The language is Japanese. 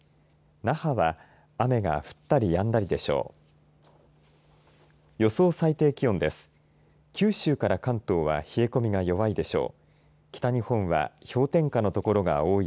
那覇は雨が降ったりやんだりでしょう。